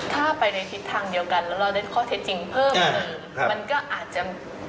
ถ้าไปในทิศทางเดียวกันแล้วเราได้คอเท็จจริงเพิ่ม